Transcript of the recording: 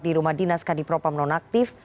di rumah dinas kd propam nonaktif